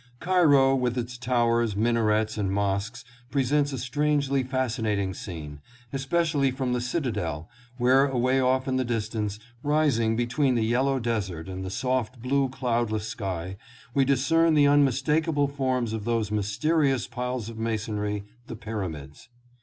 Cairo with its towers, minarets and mosques presents a strangely fascinating scene, especially from the cita del, where away off in the distance, rising between the yellow desert and the soft blue cloudless sky, we dis cern the unmistakable forms of those mysterious piles of masonry, the Pyramids.